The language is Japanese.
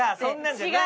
違う！